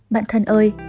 bạn thân ơi